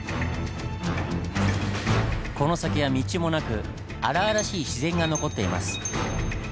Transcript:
この先は道もなく荒々しい自然が残っています。